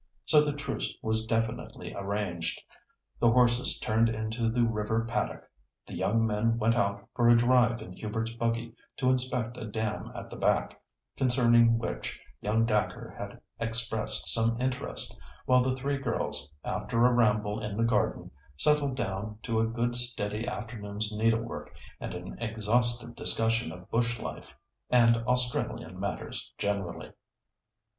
So the truce was definitely arranged, the horses turned into the river paddock, the young men went out for a drive in Hubert's buggy to inspect a dam "at the back," concerning which young Dacre had expressed some interest, while the three girls, after a ramble in the garden, settled down to a good steady afternoon's needlework and an exhaustive discussion of bush life, and Australian matters generally.